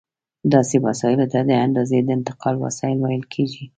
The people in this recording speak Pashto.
داسې وسایلو ته د اندازې د انتقال وسایل ویل کېږي.